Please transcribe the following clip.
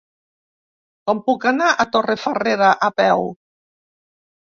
Com puc arribar a Torrefarrera a peu?